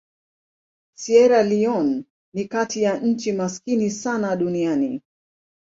Sierra Leone ni kati ya nchi maskini sana duniani.